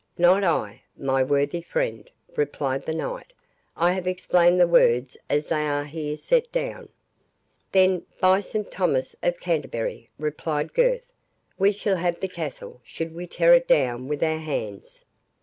"Not I, my worthy friend," replied the knight, "I have explained the words as they are here set down." "Then, by St Thomas of Canterbury," replied Gurth, "we will have the castle, should we tear it down with our hands!"